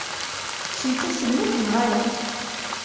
Kemm d taselmadt neɣ ala?